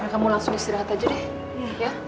kamu langsung istirahat aja deh